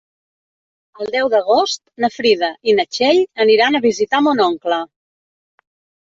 El deu d'agost na Frida i na Txell aniran a visitar mon oncle.